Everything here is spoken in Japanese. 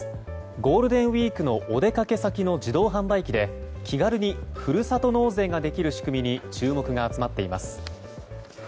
ゴールデンウィークのお出かけ先の自動販売機で気軽にふるさと納税ができる仕組みに注目が集まっています。